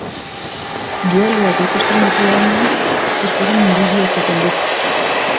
Dueluak ikusten ditudanean, kristoren inbidia izaten dut.